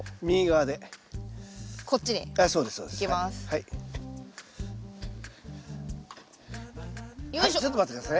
はいちょっと待って下さい。